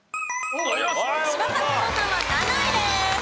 柴咲コウさんは７位です。